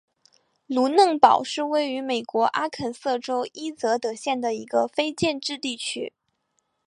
卢嫩堡是位于美国阿肯色州伊泽德县的一个非建制地区。